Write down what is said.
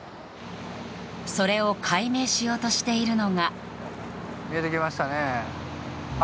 それを解明しようとしているのが。